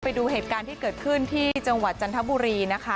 ไปดูเหตุการณ์ที่เกิดขึ้นที่จังหวัดจันทบุรีนะคะ